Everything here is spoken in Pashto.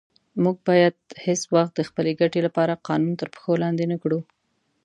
موږ باید هیڅ وخت د خپلې ګټې لپاره قانون تر پښو لاندې نه کړو.